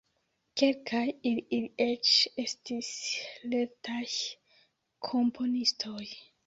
Kelkaj el ili eĉ estis lertaj komponistoj.